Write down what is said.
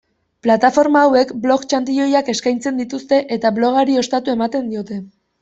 Plataforma hauek blog-txantiloiak eskaintzen dituzte eta blogari ostatu ematen diote.